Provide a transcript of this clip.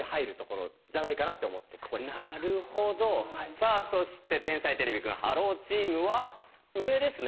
さあそして天才てれびくんｈｅｌｌｏ，チームは上ですね。